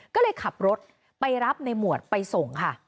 ก็เลยขับรถไปรับในหมวดไปส่งค่ะ